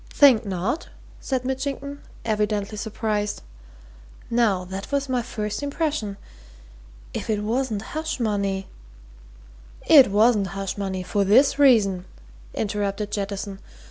"Think not?" said Mitchington, evidently surprised. "Now, that was my first impression. If it wasn't hush money " "It wasn't hush money, for this reason," interrupted Jettison.